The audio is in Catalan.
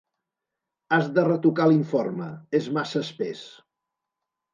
Has de retocar l'informe: és massa espès.